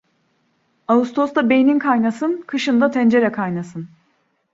Ağustosta beynin kaynasın, kışın da tencere kaynasın.